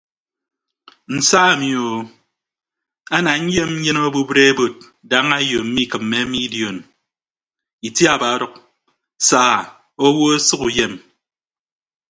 Nsa mi o ana nyem nyịn obubịd ebod daña ayo mmikịmme mi dion itiaba ọdʌk saa owo ọsʌk uyem.